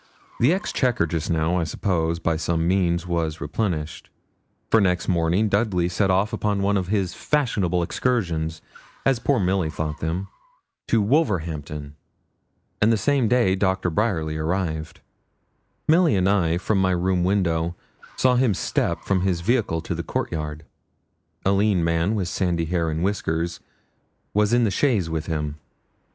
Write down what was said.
The exchequer just now, I suppose, by some means, was replenished, for next morning Dudley set off upon one of his fashionable excursions, as poor Milly thought them, to Wolverhampton. And the same day Dr. Bryerly arrived. Milly and I, from my room window, saw him step from his vehicle to the court yard. A lean man, with sandy hair and whiskers, was in the chaise with him.